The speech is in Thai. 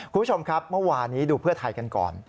คุณผู้ชมครับเมื่อวานนี้ดูเพื่อไทยกันก่อน